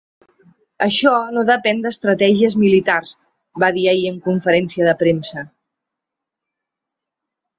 Això no depèn d’estratègies militars, va dir ahir en conferència de premsa.